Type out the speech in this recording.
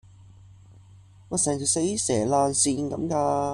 成條死蛇爛鱔咁㗎